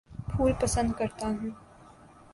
پھول پسند کرتا ہوں